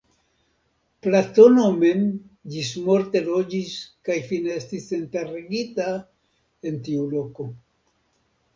Platono mem ĝismorte loĝis kaj fine estis enterigita en tiu loko.